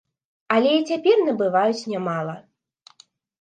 Але і цяпер набываюць нямала.